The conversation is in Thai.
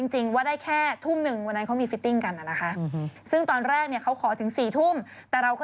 ใช่คนคงมาคอมเมนต์การตอบคำถามในสรรค์